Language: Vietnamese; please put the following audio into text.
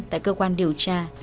tại cơ quan điều tra